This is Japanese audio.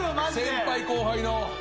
先輩後輩の。